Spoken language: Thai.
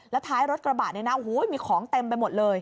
แล้วท้ายรถกระบะมีของเต็มไปหมดเลย